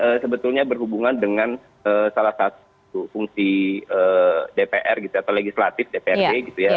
ini sebetulnya berhubungan dengan salah satu fungsi dpr gitu atau legislatif dprd gitu ya